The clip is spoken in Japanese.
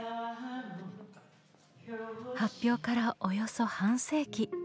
発表からおよそ半世紀。